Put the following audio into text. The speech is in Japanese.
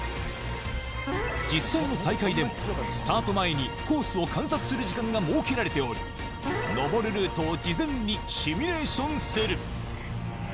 実際の大会でも、スタート前にコースを観察する時間が設けられており、登るルートを事前にシミュレーションする。